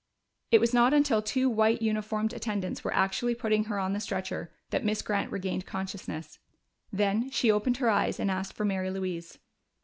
It was not until two white uniformed attendants were actually putting her on the stretcher that Miss Grant regained consciousness. Then she opened her eyes and asked for Mary Louise.